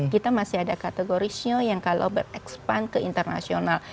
kita masih ada kategori sio yang kalau ber expand ke internasional